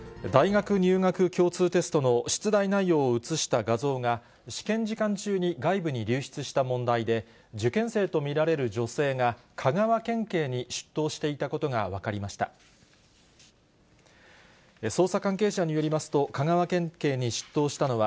大学入学共通テストの出題内容を写した画像が、試験時間中に外部に流出した問題で、受験生と見られる女性が、香川県警に出頭していたことが分かりました。